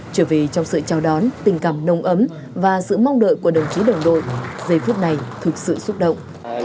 trở về trong sự chào đón tình cảm nồng ấm và sự mong đợi của đồng chí đồng đội giây phút này thực sự xúc động